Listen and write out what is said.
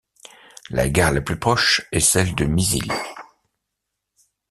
La gare la plus proche est celle de Mizil.